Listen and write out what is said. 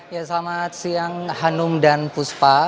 ya selamat siang hanum dan puspa